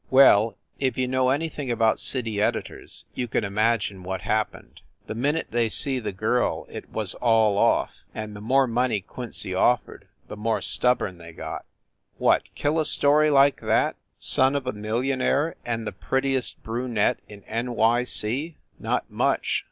Well, if you know anything about city editors you can imagine what happened. The minute they see the girl it was all off, and the more money Quincy offered, the more stubborn they got. What ! kill a story like that son of a millionaire and the prettiest brunette in N. Y. C. ? Not much.